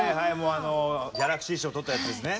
あのギャラクシー賞取ったやつですね。